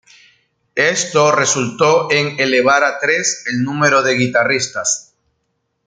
Esto resultó en elevar a tres el número de guitarristas.